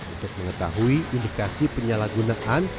untuk mengetahui indikasi penyalahgunaan